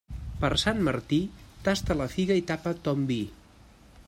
Per Sant Martí, tasta la figa i tapa ton vi.